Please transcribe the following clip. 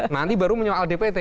nanti baru menyoal dpt